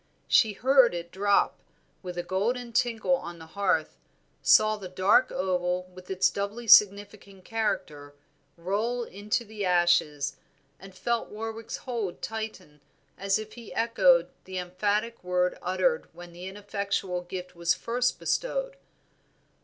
She heard it drop with a golden tinkle on the hearth, saw the dark oval, with its doubly significant character, roll into the ashes, and felt Warwick's hold tighten as if he echoed the emphatic word uttered when the ineffectual gift was first bestowed.